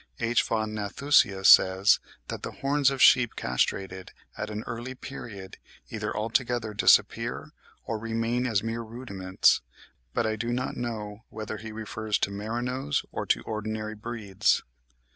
H. von Nathusius ('Viehzucht,' 1872, p. 64) says that the horns of sheep castrated at an early period, either altogether disappear or remain as mere rudiments; but I do not know whether he refers to merinos or to ordinary breeds.)